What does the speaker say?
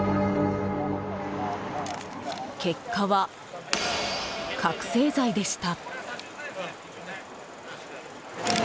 結果は覚醒剤でした。